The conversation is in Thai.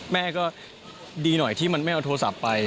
แม่ก็ดีหน่อยที่มันไม่เอาโทรศัพท์ไป